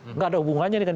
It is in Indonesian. tidak ada hubungannya dengan